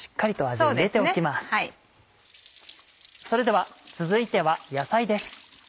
それでは続いては野菜です。